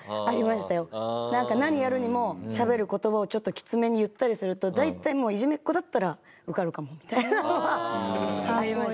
なんか何やるにもしゃべる言葉をちょっときつめに言ったりすると大体いじめっ子だったら受かるかもみたいなのはありましたね。